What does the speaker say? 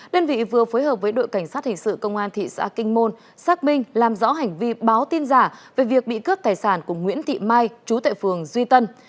kết hợp với đội cảnh sát hình sự công an thị xã kinh môn xác minh làm rõ hành vi báo tin giả về việc bị cướp tài sản của nguyễn thị mai chú tại phường duy tân